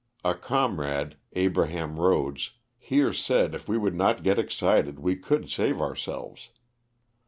A comrade, Abraham Ehodes, here said if we would not get excited we could save our selves.